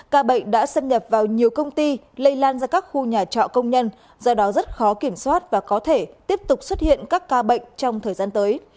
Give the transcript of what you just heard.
ca bệnh đã xâm nhập vào nhiều công ty lây lan ra các khu nhà trọ công nhân do đó rất khó kiểm soát và có thể tiếp tục xuất hiện các ca bệnh trong thời gian tới